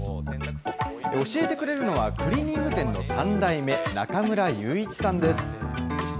教えてくれるのは、クリーニング店の３代目、中村祐一さんです。